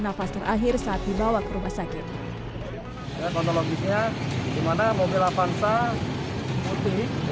nafas terakhir saat dibawa ke rumah sakit kontrol objeknya dimana mobil avanza putih